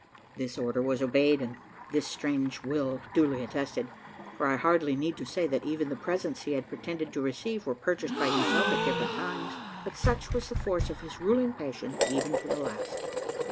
This order was obeyed, and this strange will duly attested; for I hardly need say, that even the presents he had pretended to receive were purchased by himself at different times; but such was the force of his ruling passion even to the last.